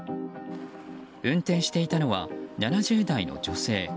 運転していたのは７０代の女性。